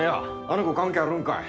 あの子関係あるんかい。